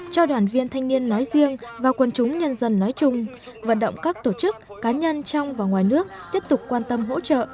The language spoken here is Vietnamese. cho đoàn viên thanh niên nói riêng và quân chúng nhân dân nói chung vận động các tổ chức cá nhân trong và ngoài nước tiếp tục quan tâm hỗ trợ